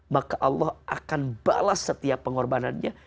maka allah akan balas setiap pengorbanannya